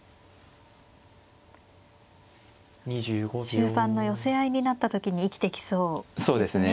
終盤の寄せ合いになった時に生きてきそうですね。